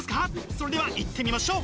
それではいってみましょう！